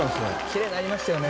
キレイになりましたよね。